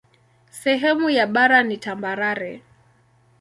Sehemu ya bara ni tambarare.